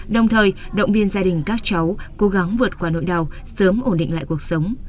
đồng thời động viên gia đình các cháu cố gắng vượt qua nỗi đau sớm ổn định lại cuộc sống